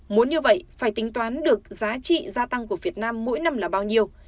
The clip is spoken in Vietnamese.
muốn như vậy phải tính toán được giá trị gia tăng của việt nam mỗi năm là bao nhiêu